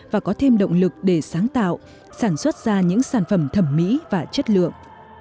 và có thêm động lực để sáng tạo sản xuất ra những sản phẩm thẩm mỹ và chất lượng